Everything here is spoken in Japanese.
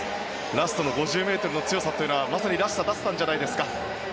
ラストの５０ｍの強さはまさにらしさを出せたんじゃないですか。